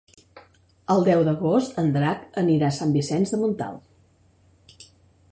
El deu d'agost en Drac anirà a Sant Vicenç de Montalt.